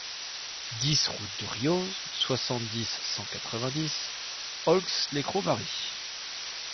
dix route de Rioz, soixante-dix, cent quatre-vingt-dix, Aulx-lès-Cromary